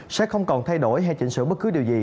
sẽ không còn thay đổi hay chỉnh sửa bất cứ điều gì